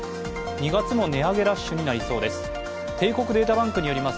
２月も値上げラッシュになりそうです。